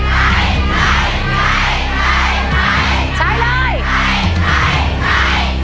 คุณยายแดงคะทำไมต้องซื้อลำโพงและเครื่องเสียง